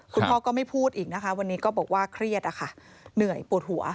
คุณพ่อก็ไม่พูดอีกนะคะวันนี้ก็บอกว่าเครียดอะค่ะเหนื่อยปวดหัว